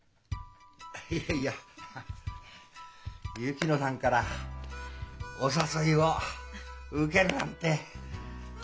いやいや薫乃さんからお誘いを受けるなんて。